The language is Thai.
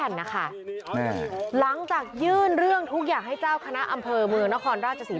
นคราราชจีส